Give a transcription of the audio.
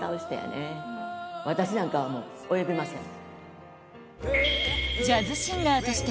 私なんかはもう及びません。